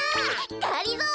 がりぞー。